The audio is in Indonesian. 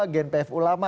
gen pf ulama